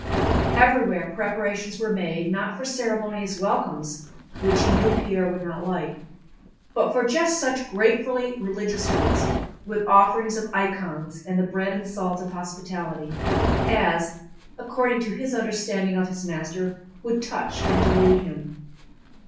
Everywhere preparations were made not for ceremonious welcomes (which he knew Pierre would not like), but for just such gratefully religious ones, with offerings of icons and the bread and salt of hospitality, as, according to his understanding of his master, would touch and delude him.